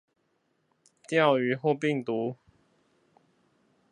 釣魚或病毒